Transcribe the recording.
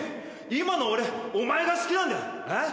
今の俺お前が好きなんだよえっ？